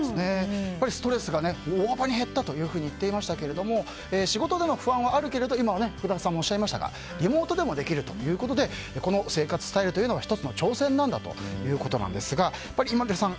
ストレスが大幅に減ったといっていましたが仕事での不安はあるけれど福田さんもおっしゃいましたがリモートでもできるということでこの生活スタイルが１つの挑戦なんだということですがＩＭＡＬＵさん